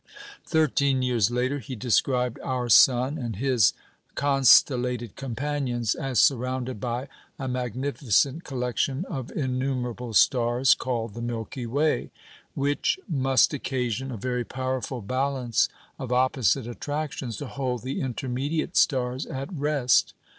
Thirteen years later, he described our sun and his constellated companions as surrounded by "a magnificent collection of innumerable stars, called the Milky Way, which must occasion a very powerful balance of opposite attractions to hold the intermediate stars at rest.